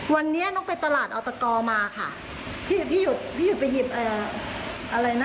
วันนี้นกไปตลาดออลตะกอมาค่ะผู้ยกผู้ยกไปหยิบอ่าอะไรน่ะ